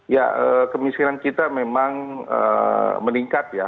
ya kemiskinan kita memang meningkat ya